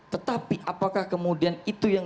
tetapi apakah kemudian itu yang